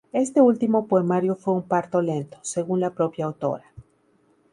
Este último poemario fue "un parto lento", según la propia autora.